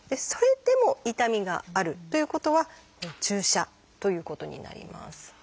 それでも痛みがあるという方は注射ということになります。